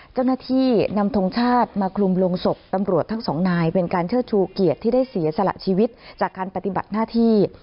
เจ้าหน้าที่นำทงชาติมาคลุมลงศพตำรวจทั้งสองนายเป็นการเชิดชูเกียรติที่ได้เสียสละชีวิตจากการปฏิบัติหน้าที่